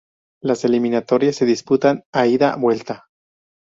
Las eliminatorias se disputan a ida-vuelta.